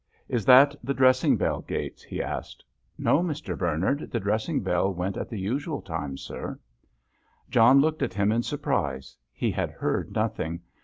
"Is that the dressing bell, Gates?" he asked. "No, Mr. Bernard, the dressing bell went at the usual time, sir." John looked at him in surprise. He had heard nothing.